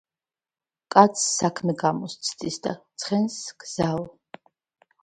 კაცს საქმე გამოსცდის და ცხენს გზაო